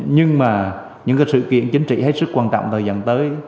nhưng mà những sự kiện chính trị hết sức quan trọng thời gian tới